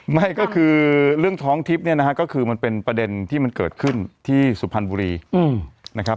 ไม่ก็คือเรื่องท้องทิพย์เนี่ยนะฮะก็คือมันเป็นประเด็นที่มันเกิดขึ้นที่สุพรรณบุรีนะครับ